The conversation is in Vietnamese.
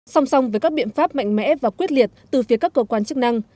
song song với các biện pháp mạnh mẽ và quyết liệt từ phía các cơ quan chức năng